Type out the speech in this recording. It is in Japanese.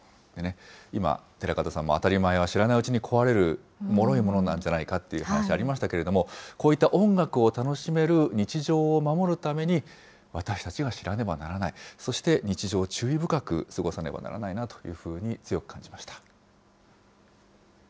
今、寺門さんも、当たり前は、知らないうちに壊れるもろいものなんじゃないかって話ありましたけども、こうした音楽を楽しめる日常を守るために、私たちが知らねばならない、そして、日常を注意深く過ごさねばならないなというふうに強く感じました。